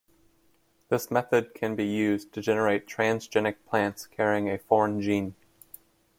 This method can be used to generate transgenic plants carrying a foreign gene.